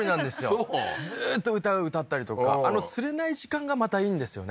そうずーっと歌を歌ったりとかあの釣れない時間がまたいいんですよね